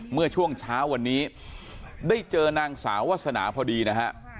เมื่อช่วงเช้าวันนี้ได้เจอนางสาววาสนาพอดีนะฮะ